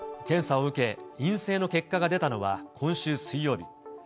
検査を受け、陰性の結果が出たのは今週水曜日。